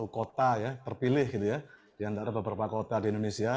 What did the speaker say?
kota ya terpilih gitu ya di antara beberapa kota di indonesia